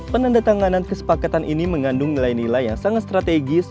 penandatanganan kesepakatan ini mengandung nilai nilai yang sangat strategis